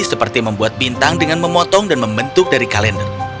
seperti membuat bintang dengan memotong dan membentuk dari kalender